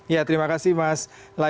ya terima kasih mas